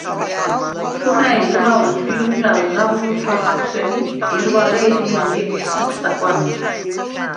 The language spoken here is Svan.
შომა̈ჲ, ზურალ ჩუ იღვჟალ, ნაღვჟურს ლახ ათვენი, ჲერვალე ეჯ მეზგემიშ თვეფს აკვანე.